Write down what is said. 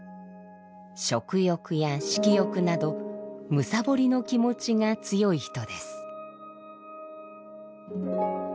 食欲や色欲など「むさぼりの気持ち」が強い人です。